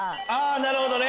なるほどね！